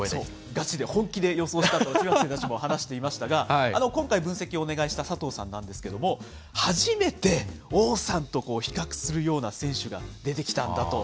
ガチで本気で予想したと中学生たちも話していましたが、今回、分析をお願いした佐藤さんなんですけれども、初めて王さんと比較するような選手が出てきたんだと。